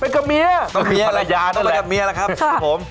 ไปกับเมียต้องไปกับเมียแหละครับ